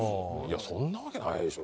そんなわけないでしょう。